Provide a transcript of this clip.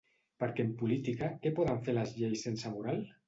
Perquè en política, què poden fer les lleis sense moral?